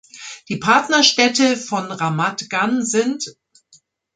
Die Partnerstädte von Ramat Gan sind